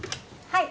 はい。